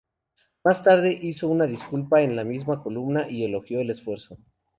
Más tarde hizo una disculpa en la misma columna y elogió el esfuerzo.